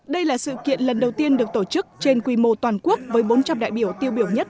đây là sự kiện lần đầu tiên được tổ chức trên quy mô toàn quốc với bốn trăm linh đại biểu tiêu biểu nhất